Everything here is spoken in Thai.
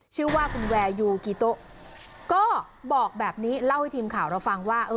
ชื่อว่าคุณแวร์ยูกิโต๊ะก็บอกแบบนี้เล่าให้ทีมข่าวเราฟังว่า